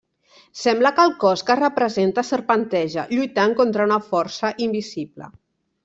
Sembla que el cos que es representa serpenteja, lluitant contra una força invisible.